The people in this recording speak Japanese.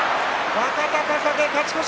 若隆景、勝ち越し。